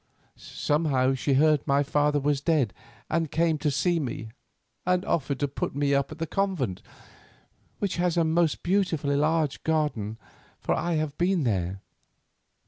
Somehow she heard my father was dead, and came to see me, and offered to put me up at the convent, which has a beautiful large garden, for I have been there.